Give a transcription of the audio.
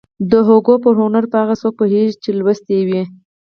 د هوګو پر هنر به هغه څوک پوهېږي چې لوستی يې وي.